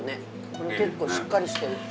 これ結構しっかりしてる。